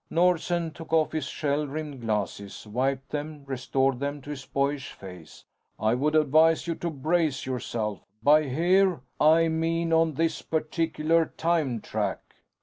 Nordsen took off his shell rimmed glasses, wiped them, restored them to his boyish face. "I would advise you to brace yourself. By 'here,' I mean on this particular time track."